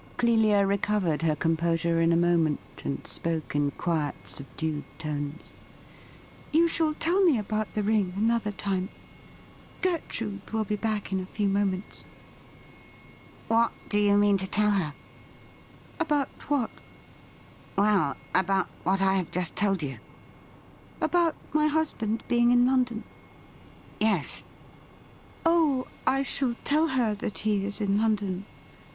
Clelia recovered her composure in a moment, and spoke in quiet, subdued tones. ' You shall tell me about the ring another time. Gertrude will be back in a few moments.' ' What do you mean to tell her i"' 'About what.?' 'Well, about what I have just told you.' ' About my husband being in London i"' ' Yes.' ' Oh, I shall tell her that he is in London.